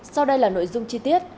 sau đây là nội dung chi tiết